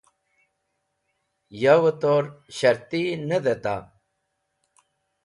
Yawẽ tor sharti ne deita?